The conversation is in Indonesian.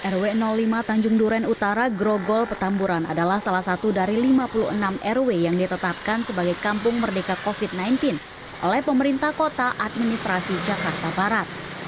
rw lima tanjung duren utara grogol petamburan adalah salah satu dari lima puluh enam rw yang ditetapkan sebagai kampung merdeka covid sembilan belas oleh pemerintah kota administrasi jakarta barat